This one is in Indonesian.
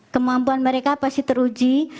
kemampuan mereka pasti teruji